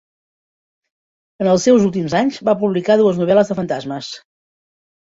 En els seus últims anys, va publicar dues novel·les de fantasmes.